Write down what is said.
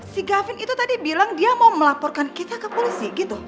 si gavin itu tadi bilang dia mau melaporkan kita ke polisi gitu